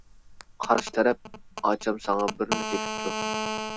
قارشى تەرەپ: ئاچام ساڭا بىرىنى تېپىپتۇ.